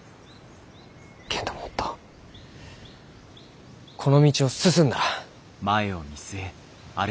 けんどもっとこの道を進んだら。